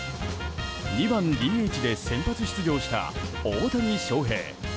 ２番ＤＨで先発出場した大谷翔平。